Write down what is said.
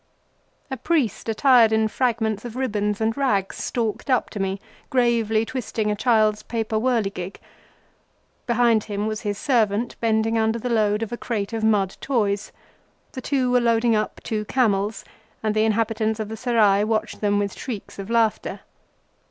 A priest attired in fragments of ribbons and rags stalked up to me, gravely twisting a child's paper whirligig. Behind him was his servant, bending under the load of a crate of mud toys. The two were loading up two camels, and the inhabitants of the Serai watched them with shrieks of laughter.